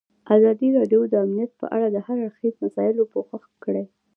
ازادي راډیو د امنیت په اړه د هر اړخیزو مسایلو پوښښ کړی.